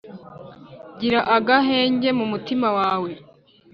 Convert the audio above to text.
Gira agahenge mu mutima wawe